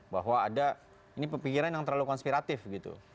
bahwa ada ini pemikiran yang terlalu konspiratif gitu